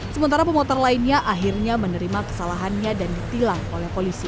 sementara pemotor lainnya akhirnya menerima kesalahannya dan ditilang oleh polisi